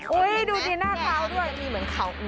โอ๊ยดูดีหน้าขาวด้วยมีเหมือนเขา